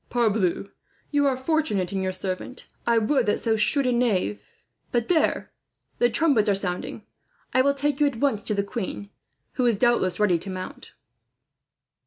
"Parbleu! You are fortunate in your servant! Would that so shrewd a knave "But there, the trumpets are sounding. I will take you at once to the queen, who is doubtless ready to mount."